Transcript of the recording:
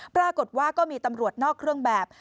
ปรากฏว่าก็มีตำรวจนอกเครื่องแบบ